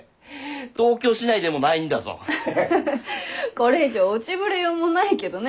これ以上落ちぶれようもないけどね。